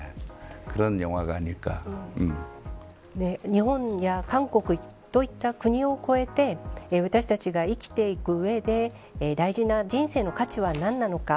日本や韓国といった国を越えて私たちが生きていく上で大事な人生の価値は何なのか。